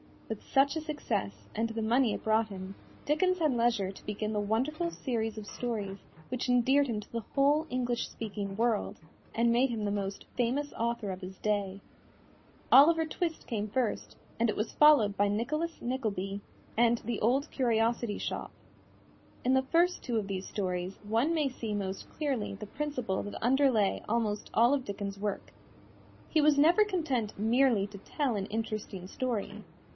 With such a success, and the money it brought him, Dickens had leisure to begin the wonderful series of stories which endeared him to the whole English speaking world, and made him the most famous author of his day. Oliver Twist came first, and it was followed by Nicholas Nickleby and The Old Curiosity Shop. In the first two of these stories one may see most clearly the principle that underlay almost all of Dickens's work. He was never content merely to tell an interesting story.